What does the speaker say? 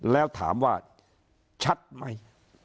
แล้วถามว่าชัดไหม